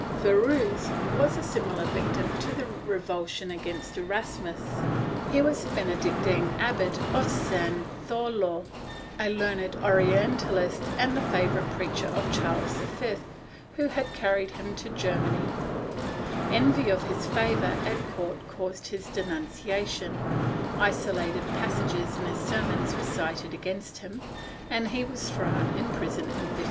Virues was a similar victim to the revulsion against Erasmus. He was Benedictine Abbot of San Zoilo, a learned orientalist and the favorite preacher of Charles V, who had carried him to Ger many, Envy of his favor at court caused his denunciation; iso lated passages in his sermons were cited against him, and he was thrown in prison in 1533.